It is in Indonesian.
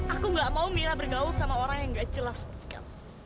aku tak mau mira bergaul sama orang yang gak jelas seperti kamu